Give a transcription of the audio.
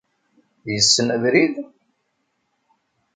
Yessen abrid?